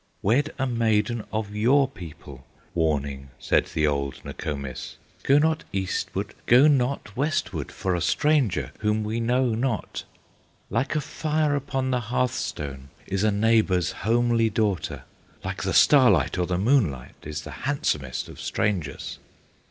"Wed a maiden of your people," Warning said the old Nokomis; "Go not eastward, go not westward, For a stranger, whom we know not! Like a fire upon the hearth stone Is a neighbor's homely daughter, Like the starlight or the moonlight Is the handsomest of strangers!"